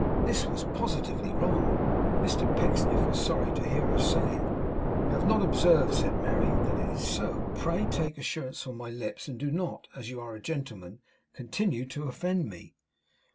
This was positively wrong. Mr Pecksniff was sorry to hear her say it. 'If you have not observed,' said Mary, 'that it is so, pray take assurance from my lips, and do not, as you are a gentleman, continue to offend me.